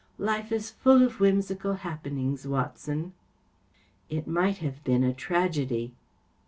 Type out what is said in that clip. Life is full of whimsical happenings, Watson.‚ÄĚ “ It might have been tragedy.